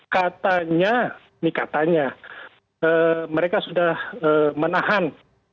katanya ini katanya mereka sudah menahan